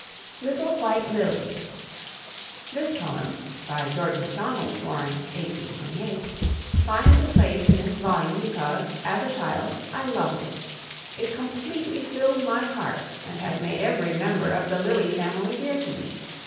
LITTLE WHITE LILY. This poem (George Macdonald, 1828 ) finds a place in this volume because, as a child, I loved it. It completely filled my heart, and has made every member of the lily family dear to me.